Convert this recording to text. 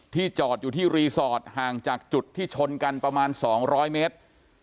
จอดอยู่ที่รีสอร์ทห่างจากจุดที่ชนกันประมาณ๒๐๐เมตร